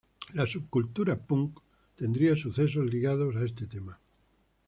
La subcultura punk tendría sucesos ligados a este tema.